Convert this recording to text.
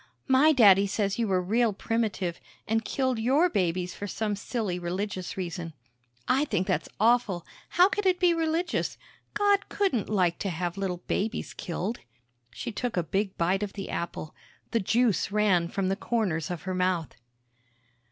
"My daddy says you were real primitive, an' killed your babies for some silly religious reason. I think that's awful! How could it be religious? God couldn't like to have little babies killed!" She took a big bite of the apple; the juice ran from the corners of her mouth.